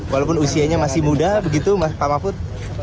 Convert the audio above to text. walaupun usianya masih muda begitu pak mahfud